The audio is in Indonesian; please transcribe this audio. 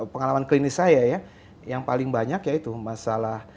pengalaman klinis saya ya yang paling banyak ya itu masalah